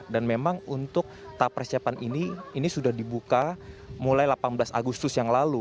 dan memang untuk tahap persiapan ini ini sudah dibuka mulai delapan belas agustus yang lalu